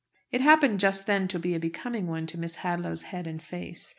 It happened just then to be a becoming one to Miss Hadlow's head and face.